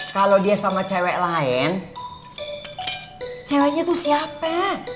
kalau dia sama cewek lain ceweknya tuh siapa